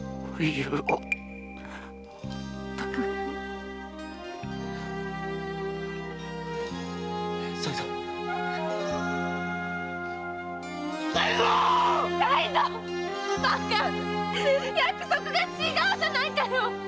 約束が違うじゃないかよ！